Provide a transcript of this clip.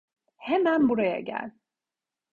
Hemen buraya gel!